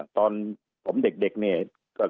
ตอนผมเด็กเนอะ